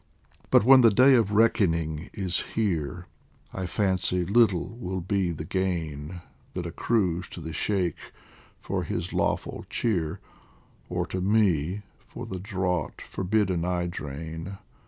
But when the Day of Reckoning is here, I fancy little will be the gain That accrues to the Sheikh for his lawful cheer, Or to me for the draught forbidden I drain.